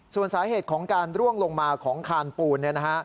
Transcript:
หลายเหตุของการร่วงลงมาของคานปูน